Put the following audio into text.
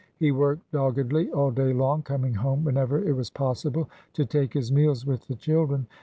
He worked doggedly all day long, coming home whenever it was possible to take his meals with the children.